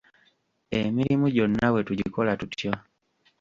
Emirimu gyonna bwe tugikola tutyo.